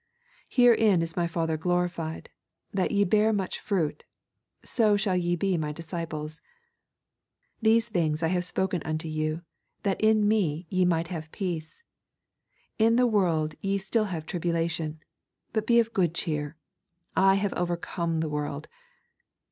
Herein is My Father glorified, that ye bear much fruit, so shall ye be My disciples. These things have I spoken unto you that in Me ye might have peace. In the world ye shall have tribulation; but be of good cheer, I have overcome the world.